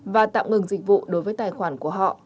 và tạm ngừng dịch vụ đối với tài khoản của họ